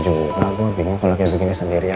yang pegang pegang faith